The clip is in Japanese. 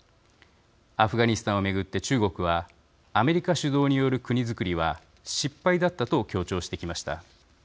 アフガニスタンを巡って中国はアメリカ主導による国づくりは失敗だったと強調してきました。